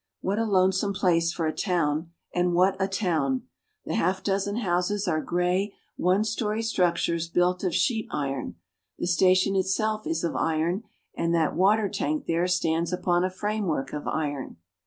What a lonesome place for a town, and what a town! ' The half dozen houses are gray one story structures built of sheet iron. The station itself is of iron, and that water tank there stands upon a framework of iron.